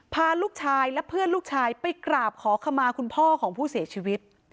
พาลูกชายและเพื่อนลูกชายไปกราบขอขมาคุณพ่อของผู้เสียชีวิต